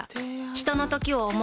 ひとのときを、想う。